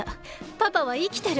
パパはいきてる。